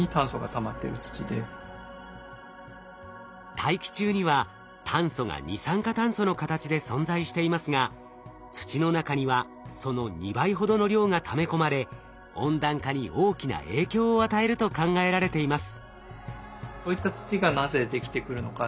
大気中には炭素が二酸化炭素の形で存在していますが土の中にはその２倍ほどの量がため込まれ温暖化に大きな影響を与えると考えられています。